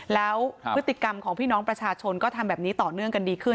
แล้วพฤติกรรมของพี่น้องประชาชนก็ทำแบบนี้ต่อเนื่องกันดีขึ้น